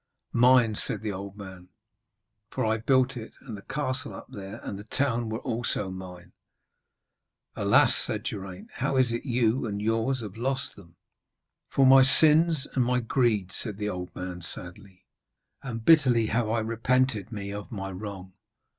'Mine,' said the old man, 'for I built it. And the castle up there and the town were also mine.' 'Alas!' said Geraint, 'how is it you and yours have lost them?' 'For my sins and my greed,' said the old man sadly, 'and bitterly have I repented me of my wrong.